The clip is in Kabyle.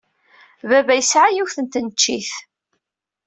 Baba yesɛa yiwet n tneččit.